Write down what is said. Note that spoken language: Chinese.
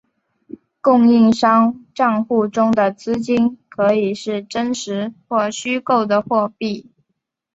供应商帐户中的资金可以是真实或者虚构的货币。